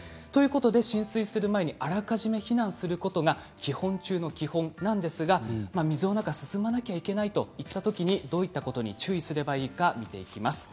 浸水する前にあらかじめ避難しておくことが基本中の基本なんですが水の中を進まなくてはいけないとなったときにどういったことに注意をすればいいのか見ていきます。